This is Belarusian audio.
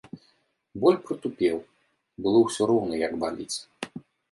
Боль прытупеў, было ўсё роўна як баліць.